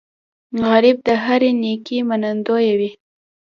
غریب د هرې نیکۍ منندوی وي